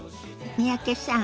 三宅さん